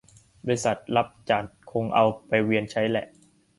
บริษัทรับจัดคงเอาไปเวียนใช้แหละ